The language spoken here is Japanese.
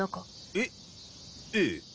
えっ？ええ。